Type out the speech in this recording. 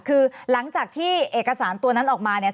คือหลังจากที่เอกสารตัวนั้นออกมาเนี่ย